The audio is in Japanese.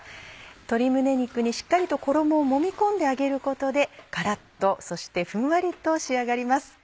鶏胸肉にしっかりと衣をもみ込んで揚げることでカラっとそしてふんわりと仕上がります。